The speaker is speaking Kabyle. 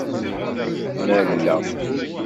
Malleɣ.